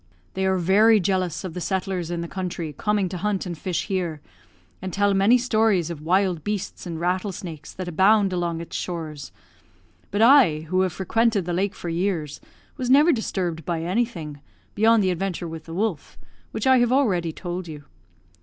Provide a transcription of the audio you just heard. They are very jealous of the settlers in the country coming to hunt and fish here, and tell many stories of wild beasts and rattlesnakes that abound along its shores, but I, who have frequented the lake for years, was never disturbed by anything, beyond the adventure with the wolf, which I have already told you.